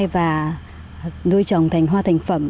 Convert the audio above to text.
và nuôi trồng thành hoa thành phẩm